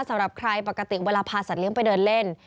สำหรับใครปกติเวลาพาสัตเลี้ยไปเดินเล่น